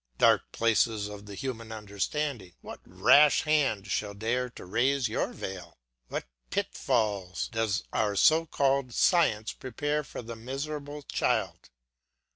Dark places of the human understanding, what rash hand shall dare to raise your veil? What pitfalls does our so called science prepare for the miserable child.